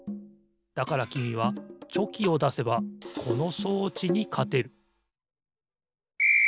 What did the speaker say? だからきみはチョキをだせばこの装置にかてるピッ！